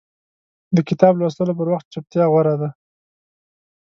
د کتاب لوستلو پر وخت چپتیا غوره ده.